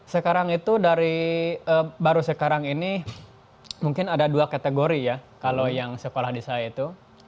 sekarang itu dari baru sekarang ini mungkin ada dua kategori ya kalau yang sekolah di saya itu